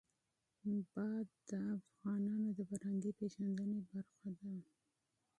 هوا د افغانانو د فرهنګي پیژندنې برخه ده.